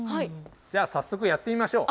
じゃあ、早速やってみましょう。